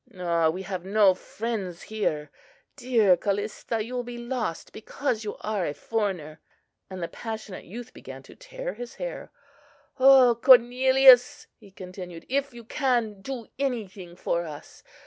Ah! we have no friends here. Dear Callista! you will be lost because you are a foreigner!" and the passionate youth began to tear his hair. "O Cornelius!" he continued, "if you can do anything for us!